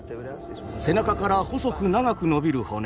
背中から細く長く伸びる骨